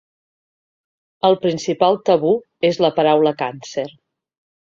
El principal tabú és la paraula càncer.